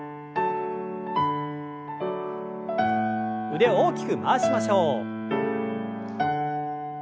腕を大きく回しましょう。